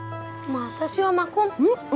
oh masa sih om akkum